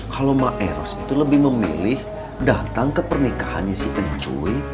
kalau maeros itu lebih memilih datang ke pernikahannya si pencuri